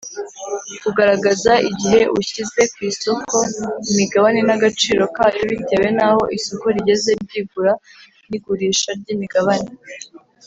Kugaragaza igihe ushyize ku isoko imigabane n’agaciro kayo bitewe naho isoko rigeze ry’igura n’igurisha ry’imigabane.